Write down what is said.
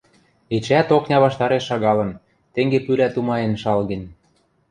Эчеӓт окня ваштареш шагалын, тенге пӱлӓ тумаен шалген.